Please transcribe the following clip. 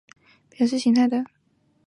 情态动词是用来表示情态的。